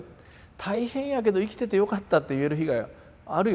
大変やけど生きててよかったって言える日があるよ。